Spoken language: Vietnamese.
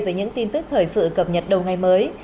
với những tin tức thời sự cập nhật đầu ngày mới